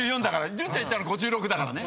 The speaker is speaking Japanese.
潤ちゃん言ったの「５６」だからね。